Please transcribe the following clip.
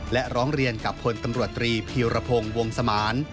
และร้องเรียนกับคนตำรวจตรีพิวระพงวงสมาร